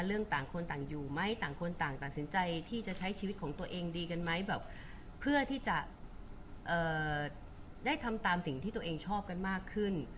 ต่างคนต่างอยู่ไหมต่างคนต่างตัดสินใจที่จะใช้ชีวิตของตัวเองดีกันไหมแบบเพื่อที่จะได้ทำตามสิ่งที่ตัวเองชอบกันมากขึ้น